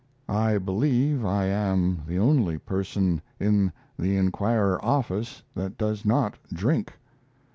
I believe I am the only person in the Inquirer office that does not drink.